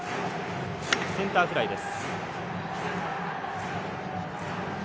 センターフライです。